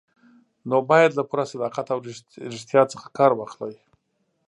نو باید له پوره صداقت او ریښتیا څخه کار واخلئ.